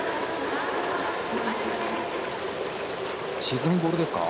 沈むボールですか。